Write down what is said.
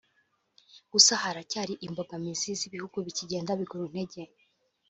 Gusa ngo haracyari imbogamizi z’ibihugu bikigenda biguruntege